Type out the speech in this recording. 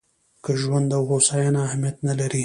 که ژوند او هوساینه اهمیت نه لري.